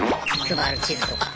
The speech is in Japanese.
配る地図とか。